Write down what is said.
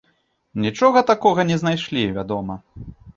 Нічога такога не знайшлі, вядома.